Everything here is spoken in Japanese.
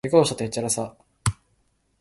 けがをしたって、へっちゃらさ